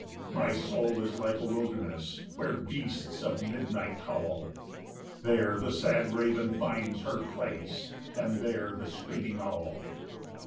5 My soul is like a wilderness, Where beasts of midnight howl; There the sad raven finds her place, And there the screaming owl.